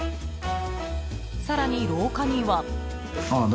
［さらに廊下には］